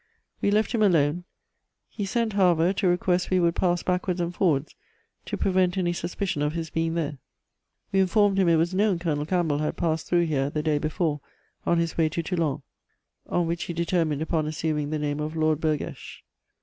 We left him alone; he sent, however, to request we would pass backwards and forwards, to prevent any suspicion of his being there. We informed him it was known Colonel Campbell had passed through here the day before on his way to Toulon; on which he determined upon assuming the name of Lord Burghersh.